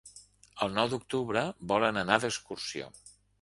El nou d'octubre volen anar d'excursió.